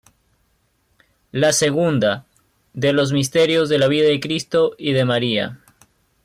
La segunda, de los misterios de la vida de Cristo y de María.